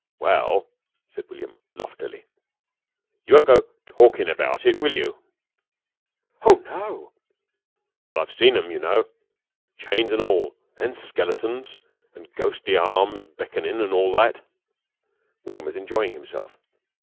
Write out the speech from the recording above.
"Well," said William, loftily, "you won't go talkin' about it, will you?" "Oh, no." "Well, I've seen 'em, you know. Chains an' all. And skeletons. And ghostly arms beckonin' an' all that." William was enjoying himself.